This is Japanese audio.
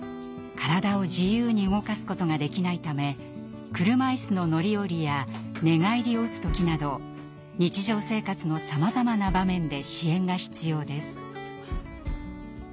体を自由に動かすことができないため車いすの乗り降りや寝返りをうつ時など日常生活のさまざまな場面で支援が必要です。